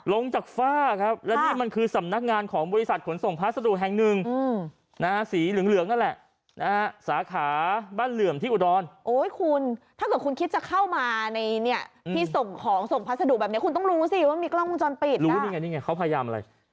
ลงจากฟ้าครับว่านี่มันคือสำนักงานของบริษัทขนส่งภาษาดูแห่งหนึ่งอืองน่าสีเหลืองเหลืองนั่นแหละ